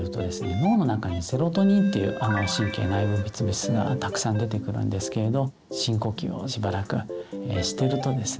脳の中にセロトニンっていう神経内分泌物質がたくさん出てくるんですけれど深呼吸をしばらくしてるとですね